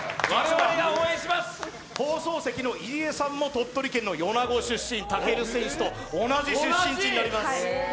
放送席の入江さんも鳥取県の米子出身武尊選手と同じ出身地になります。